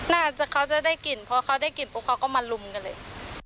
น่าจะเขาจะได้กลิ่นเพราะเขาได้กลิ่นปุ๊บเขาก็มาลุมกันเลย